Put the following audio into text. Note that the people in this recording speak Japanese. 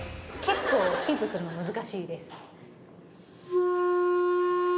結構キープするの難しいです。